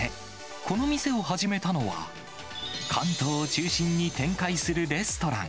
この店を始めたのは、関東を中心に展開するレストラン。